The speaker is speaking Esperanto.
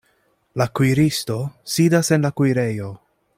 La kuiristo sidas en la kuirejo.